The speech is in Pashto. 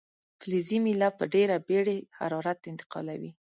فلزي میله په ډیره بیړې حرارت انتقالوي.